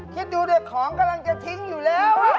คิดดูดิของกำลังจะทิ้งอยู่แล้ว